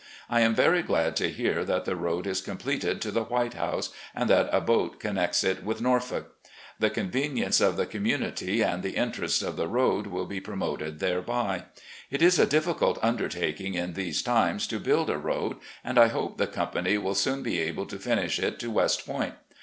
I am very glad to hear that the road is completed to the White House, and that a boat connects it with Norfolk. The convenience of the community and the interests of the road will be promoted thereby. It is a difficult undertaking in these times to build a road, and I hope the company will soon be able to finish it to West Point.